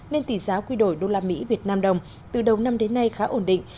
nên tỷ giá quy đổi đô la mỹ việt nam đồng từ đầu năm đến nay khá ổn định